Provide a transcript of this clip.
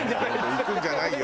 行くんじゃないよ